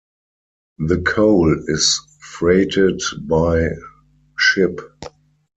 The coal is freighted by ship.